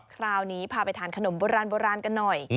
คราวนี้พาไปทานขนมโบราณโบราณกันหน่อย